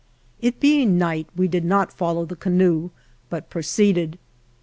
It being night, we did not follow the canoe, but proceeded.